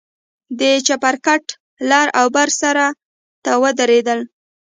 د چپرکټ لر او بر سر ته ودرېدل.